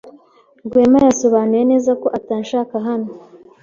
Rwema yasobanuye neza ko atanshaka hano.